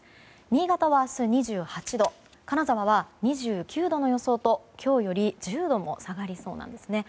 新潟は明日、２８度金沢は２９度の予想と今日より１０度も下がりそうなんです。